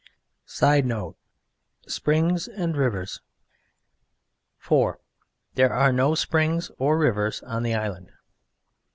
[Sidenote: Springs and Rivers.] IV. There are no springs or rivers in the Island.